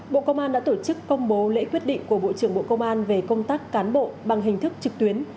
bộ công an đã tổ chức công bố lễ quyết định của bộ trưởng bộ công an về công tác cán bộ bằng hình thức trực tuyến